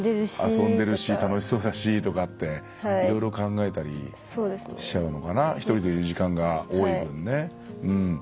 遊んでるし楽しそうだしとかっていろいろ考えたりしちゃうのかな一人でいる時間が多い分ね。